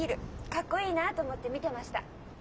かっこいいなと思って見てました。